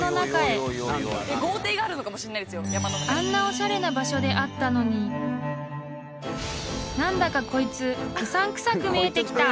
［あんなおしゃれな場所で会ったのに何だかこいつうさんくさく見えてきた］